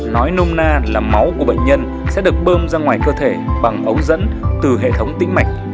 nói nôm na là máu của bệnh nhân sẽ được bơm ra ngoài cơ thể bằng ống dẫn từ hệ thống tĩnh mạch